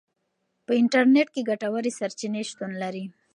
په انټرنیټ کې ګټورې سرچینې شتون لري.